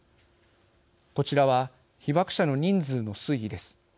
こちらは被爆者の人数の推移です。